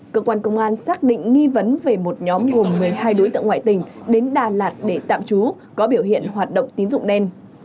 cơ quan công an xác định nghi vấn về một nhóm gồm một mươi hai đối tượng ngoại tỉnh đến đà lạt để tạm trú có biểu hiện hoạt động tín dụng đen